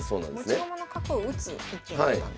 持ち駒の角を打つ一手だったんですね。